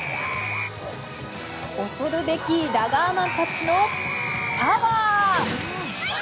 恐るべきラガーマンたちのパワー！